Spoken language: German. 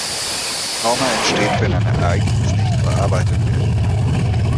Trauma entsteht, wenn ein Ereignis nicht verarbeitet werden kann.